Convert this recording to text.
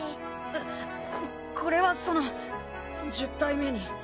うっここれはその１０体目に。